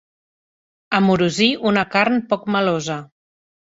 Amorosir una carn poc melosa.